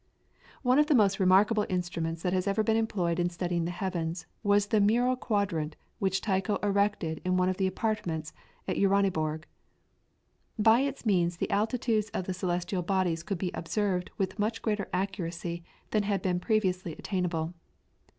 One of the most remarkable instruments that has ever been employed in studying the heavens was the mural quadrant which Tycho erected in one of the apartments of Uraniborg. By its means the altitudes of the celestial bodies could be observed with much greater accuracy than had been previously attainable.